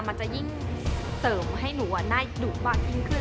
มันจะยิ่งเสริมให้หนูน่าดุมากยิ่งขึ้น